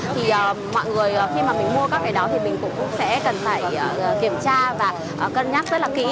thì mọi người khi mà mình mua các cái đó thì mình cũng sẽ cần phải kiểm tra và cân nhắc rất là kỹ